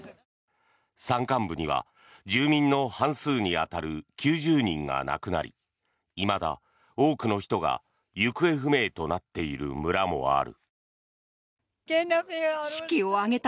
山間部には住民の半数に当たる９０人が亡くなりいまだ多くの人が行方不明となっている村もある。